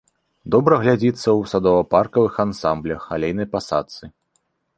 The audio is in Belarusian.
Добра глядзіцца ў садова-паркавых ансамблях, алейнай пасадцы.